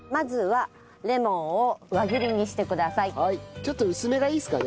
ちょっと薄めがいいですかね？